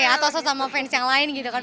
atau sesama fans yang lain gitu kan